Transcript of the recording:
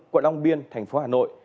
quận long biên thành phố hà nội